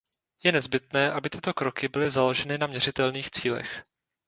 Je nezbytné, aby tyto kroky byly založeny na meřitelných cílech.